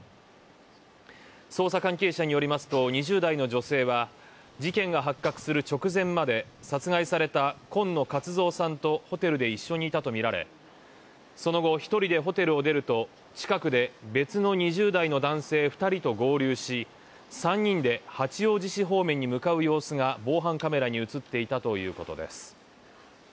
捜査関係者によりますと、２０代の女性は事件が発覚する直前まで殺害された今野勝蔵さんとホテルで一緒にいたとみられ、その後、１人でホテルを出ると近くで別の２０代の男性２人と合流し、３人で八王子市方面に向かう様子が防犯カメラに映っていたということです。